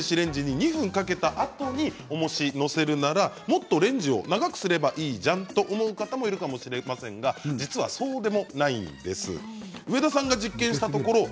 ちなみに６００ワットの電子レンジに２分かけたあとにおもしを載せるならもっとレンジを長くすればいいじゃんと思うかもしれませんがそうでもないんです。